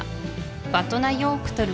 ヴァトナヨークトル